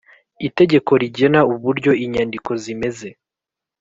Itegeko rigena uburyo inyandiko zimeze